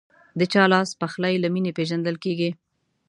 د چا لاسپخلی له مینې پیژندل کېږي.